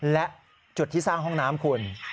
และจุดที่สร้างห้องน้ำคุณ